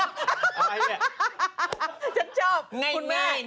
กูฟังพวกมึงพูดมานาน